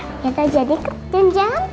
kita jadi ketujuan